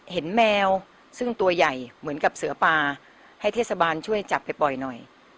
แมวซึ่งตัวใหญ่เหมือนกับเสือปลาให้เทศบาลช่วยจับไปปล่อยหน่อย